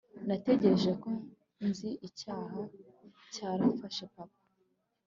natekereje ko nzi icyaba cyarafashe papa